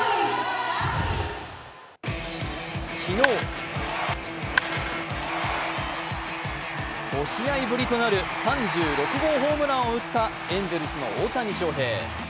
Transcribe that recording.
昨日、５試合ぶりとなる３６号ホームランを打ったエンゼルスの大谷翔平。